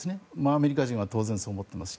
アメリカ人は当然そう思っています。